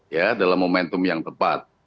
ya dalam momentum yang tepat